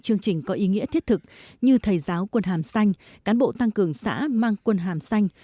chương trình có ý nghĩa thiết thực như thầy giáo quân hàm xanh cán bộ tăng cường xã mang quân hàm xanh